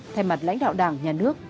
thay mặt lãnh đạo đảng nhà nước